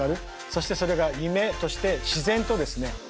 そしてそれが夢として自然とですね